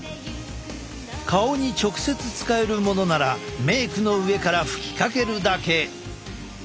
顔に直接使えるものならメークの上からふきかけるだけ！